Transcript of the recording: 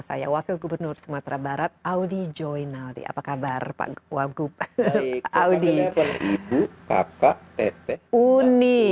saya wakil gubernur sumatera barat audi join aldi apa kabar pak wabub audi kata kata uni